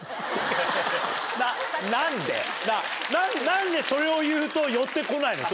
何でそれを言うと寄って来ないの？